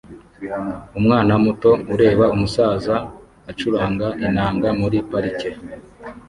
Umwana muto ureba umusaza acuranga inanga muri parike